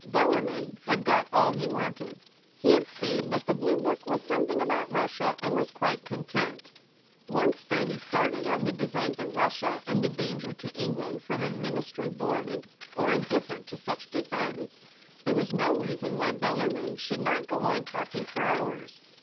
Bellarmin had got all he wanted ; he had seen that the blue book was something about Russia, and was quite content. Once fairly started on the designs of Russia and the danger to England from a Ministry blind or indifferent to such designs, there was no reason why Bellarmin should not go on talking for hours.